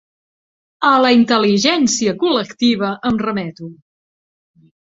A la intel·ligència col·lectiva em remeto.